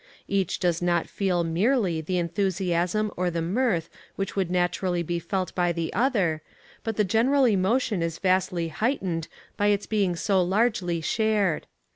Each does not feel merely the enthusiasm or the mirth which would naturally be felt by the other, but the general emotion is vastly heightened by its being so largely shared.